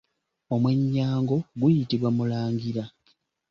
Omwennyango guyitibwa Mulangira.